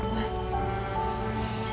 pasti nama yang diberikan